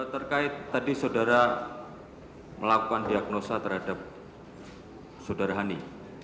terkait tadi saudara melakukan diagnosa terhadap saudara hani